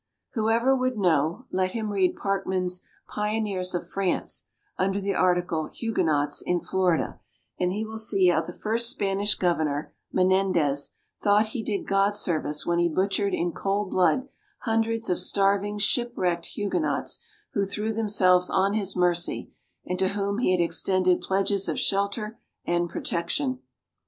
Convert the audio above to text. Whoever would know, let him read Parkman's "Pioneers of France," under the article "Huguenots in Florida," and he will see how the first Spanish governor, Menendez, thought he did God service when he butchered in cold blood hundreds of starving, shipwrecked Huguenots who threw themselves on his mercy, and to whom he had extended pledges of shelter and protection.